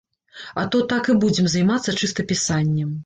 А то так і будзем займацца чыста пісаннем.